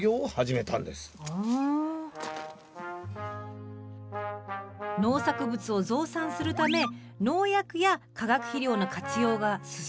スタジオ農作物を増産するため農薬や化学肥料の活用が進んだ時代。